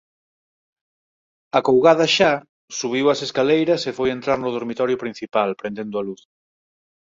Acougada xa, subiu as escaleiras e foi entrar no dormitorio principal, prendendo a luz.